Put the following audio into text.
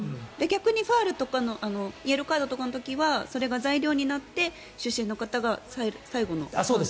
逆にファウルとかイエローカードの時はそれが材料になって主審の方が最後の判定を。